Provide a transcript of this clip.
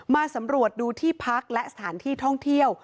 มาสำรวจดูที่พักและสถานที่ท่องเที่ยว